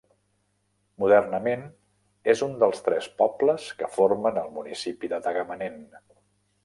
Modernament és un dels tres pobles que formen el municipi de Tagamanent.